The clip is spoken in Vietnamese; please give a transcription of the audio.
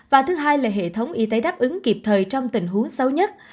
và thứ hai là hệ thống y tế đáp ứng kịp thời trong tình huống xấu nhất